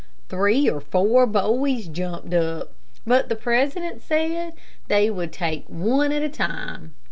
Three or four boys jumped up, but the president said they would take one at a time.